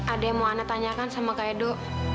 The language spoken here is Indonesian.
ada yang mau anda tanyakan sama kak edo